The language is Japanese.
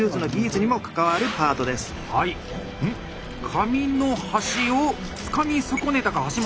紙の端をつかみ損ねたか橋本？